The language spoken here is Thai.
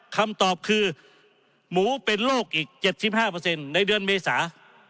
คำตอบคือหมูเป็นโรคอีก๗๕ในเดือนเมษา